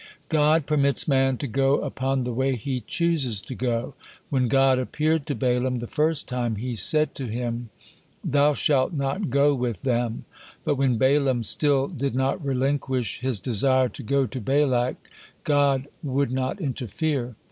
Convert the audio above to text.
"God permits man to go upon the way he chooses to go." When God appeared to Balaam the first time he said to him, "Thou shalt not go with them;" but when Balaam still did not relinquish his desire to go to Balak, God would not interfere.